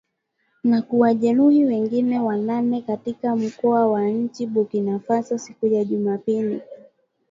Na kuwajeruhi wengine wanane katika mkoa wa nchini Burkina Faso siku ya Jumapili.